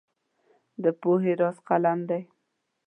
د پوهې راز قلم دی.